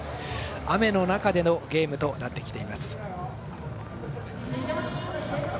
雨の中でのゲームとなってきています。